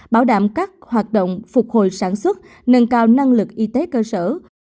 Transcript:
bảo đảm các hoạt động phục hồi sản xuất nâng cao năng lực y tế cơ sở